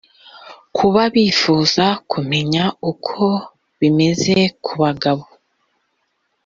ku baba bifuza kumenya uko bimeze ku bagabo